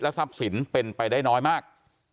ทรัพย์สินเป็นไปได้น้อยมาก